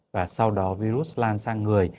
và sau đó virus lan sang người